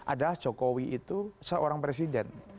adalah jokowi itu seorang presiden